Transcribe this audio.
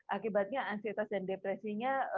akibatnya ansietas dan depresinya